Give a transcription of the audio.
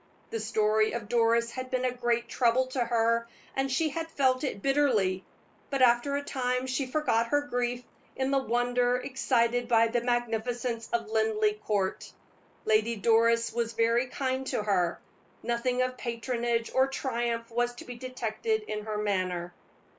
The story of Doris had been a great trouble to her, and she had felt it bitterly; but after a time she forgot her grief in the wonder excited by the magnificence of Linleigh Court. Lady Doris was very kind to her; nothing of patronage or triumph was to be detected in her manner.